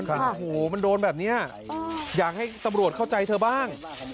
โอ้โหมันโดนแบบนี้อยากให้ตำรวจเข้าใจเธอบ้าง